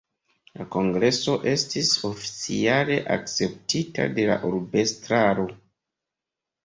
La kongreso estis oficiale akceptita de la urbestraro.